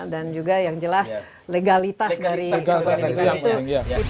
dan juga yang jelas legalitas dari kepercayaan